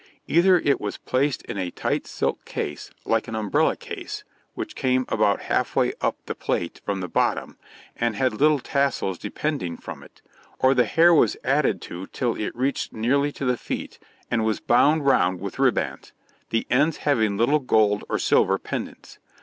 Either it was placed in a tight silk case, like an umbrella case, which came about half way up the plait from the bottom, and had little tassels depending from it, or the hair was added to till it reached nearly to the feet, and was bound round with ribbands, the ends having little gold or silver pendants.